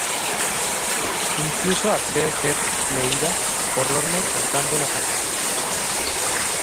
Incluso accede ser "leída" por Lorne cantando una canción.